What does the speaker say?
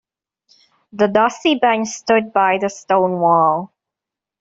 The dusty bench stood by the stone wall.